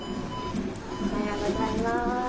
おはようございます。